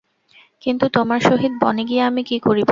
কিন্তু তোমার সহিত বনে গিয়া আমি কী করিব?